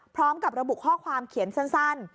พร้อมกับระบุข้อความเขียนสั้น